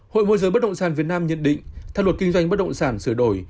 hội môi giới bất động sản việt nam nhận định theo luật kinh doanh bất động sản sửa đổi